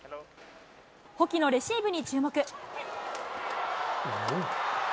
保木のレシーブに注目。